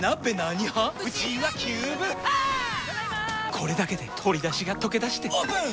これだけで鶏だしがとけだしてオープン！